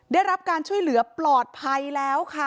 ได้รับการช่วยเหลือปลอดภัยแล้วค่ะ